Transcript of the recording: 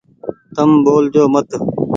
تم ٻول جو مت ۔